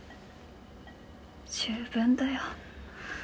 十分だよ。